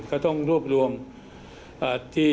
ก็ต้องรวบรวมที่